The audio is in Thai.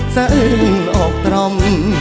สะเอิงอกตร่อม